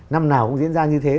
năm nào cũng diễn ra như thế